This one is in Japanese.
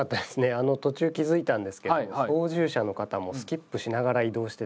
あの途中気付いたんですけど操縦者の方もスキップしながら移動して。